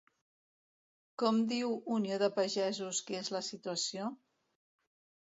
Com diu Unió de Pagesos que és la situació?